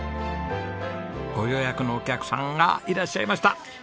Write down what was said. ご予約のお客さんがいらっしゃいました。